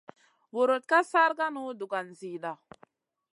Vurutn ka sarkanu dugan zida.